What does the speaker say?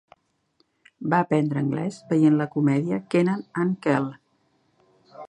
Va aprendre anglès veient la comèdia Kenan and Kel.